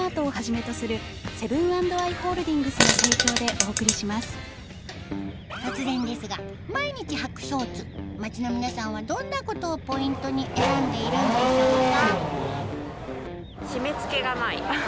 お店では突然ですが毎日はくショーツ街の皆さんはどんなことをポイントに選んでいるんでしょうか？